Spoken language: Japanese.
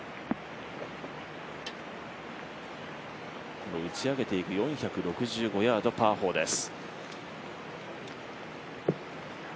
この打ち上げていく４６５ヤード、パー４です。